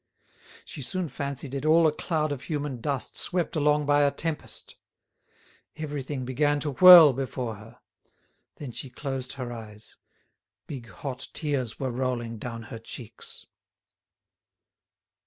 She soon fancied it all a cloud of human dust swept along by a tempest. Everything began to whirl before her. Then she closed her eyes; big hot tears were rolling down her cheeks.